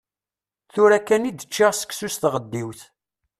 Tura kan i d-ččiɣ seksu s tɣeddiwt.